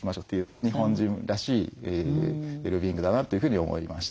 日本人らしいウェルビーイングだなというふうに思いました。